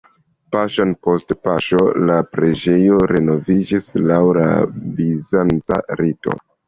Paŝon post paŝo la preĝejo renoviĝis laŭ la bizanca rito.